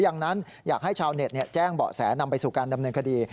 ดังนั้นอยากให้ชาวเน็ตแจ้งเบาะแสนำไปสู่การดำเนินคดี